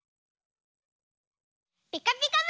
「ピカピカブ！」